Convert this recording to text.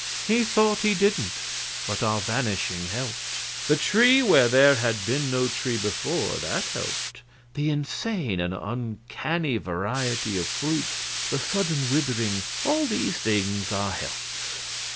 "He thought he didn't, but our vanishing helped. The tree, where there had been no tree before that helped. The insane and uncanny variety of fruits the sudden withering all these things are helps.